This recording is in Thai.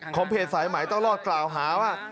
เพจสายใหม่ต้องรอดกล่าวหาว่า